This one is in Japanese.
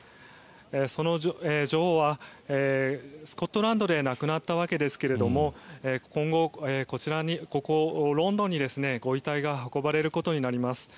その女王はスコットランドで亡くなったわけですが今後、ここ、ロンドンにご遺体が運ばれることになります。